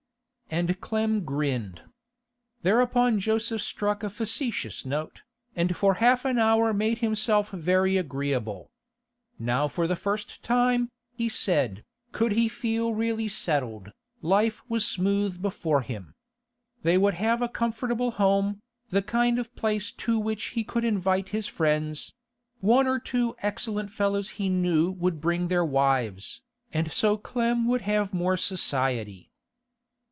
And Clem grinned. Thereupon Joseph struck a facetious note, and for half an hour made himself very agreeable. Now for the first time, he said, could he feel really settled; life was smooth before him. They would have a comfortable home, the kind of place to which he could invite his friends; one or two excellent fellows he knew would bring their wives, and so Clem would have more society.